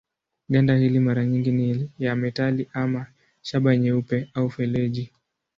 Ganda hili mara nyingi ni ya metali ama shaba nyeupe au feleji.